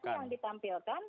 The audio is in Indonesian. ekspresi yang ditampilkan